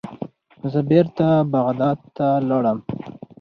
زه بیرته بغداد ته لاړم.